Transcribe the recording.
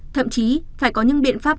thậm chí phải có những biện pháp